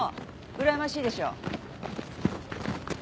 うらやましいでしょ。